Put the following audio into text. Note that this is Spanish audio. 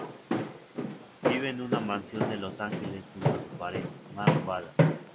Vive en una mansión de Los Ángeles junto a su pareja, Mark Ballas.